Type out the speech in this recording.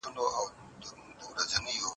د مطالعې فرهنګ ذوقونه بدلوي.